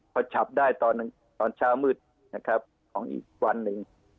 พอจับได้ตอนเช้ามืดนะครับของอีกวันหนึ่ง